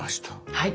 はい。